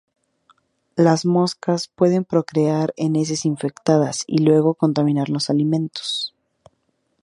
Las moscas pueden procrear en heces infectadas y luego contaminar los alimentos.